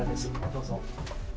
どうぞ。